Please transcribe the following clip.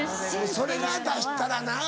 それが出したらなぁ。